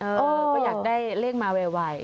เออก็อยากได้เลขมาไว